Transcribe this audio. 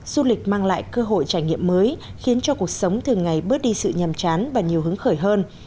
du lịch mang lại cơ hội trải nghiệm mới khiến cho cuộc sống thường ngày bớt đi sự nhầm chán và nhiều hứng khởi hơn